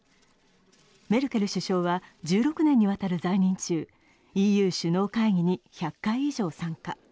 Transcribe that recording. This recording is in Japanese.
メルケル首相は１６年にわたる在任中、ＥＵ首脳会議に１００回以上参加。